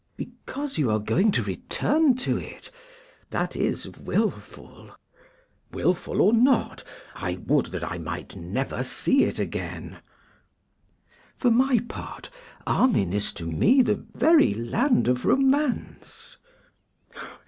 'Because you are going to return to it? That is wilful.' 'Wilful or not, I would that I might never see it again.' 'For my part, Armine is to me the very land of romance.